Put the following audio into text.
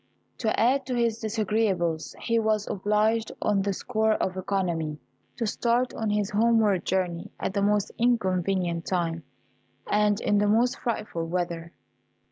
To add to his disagreeables, he was obliged, on the score of economy, to start on his homeward journey at the most inconvenient time, and in the most frightful weather.